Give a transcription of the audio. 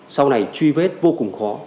sau này truy vết vô cùng khó